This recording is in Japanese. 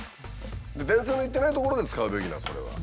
電線の行ってない所で使うべきなのそれは。